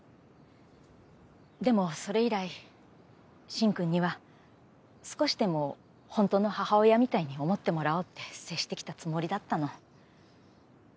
でもそれ以来進くんには少しでも本当の母親みたいに思ってもらおうって接してきたつもりだったの。